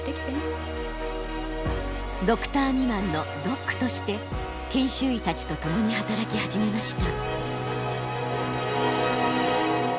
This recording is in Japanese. ドクター未満のドックとして研修医たちと共に働き始めました。